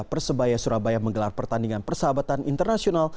persebaya surabaya menggelar pertandingan persahabatan internasional